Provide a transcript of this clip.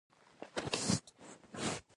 آیا موږ اروپا ته لاره لرو؟